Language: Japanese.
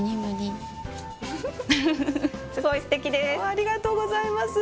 ありがとうございます。